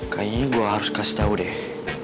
kayaknya gue harus kasih tahu deh